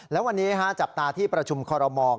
แล้ววันนี้จับตาที่ประชุมคอรมอล